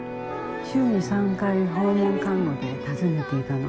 週に３回訪問看護で訪ねていたの。